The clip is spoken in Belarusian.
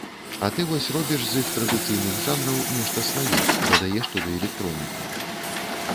А ты вось робіш з іх традыцыйных жанраў нешта сваё, дадаеш туды электроніку.